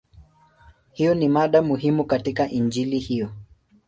Hiyo ni mada muhimu katika Injili hiyo.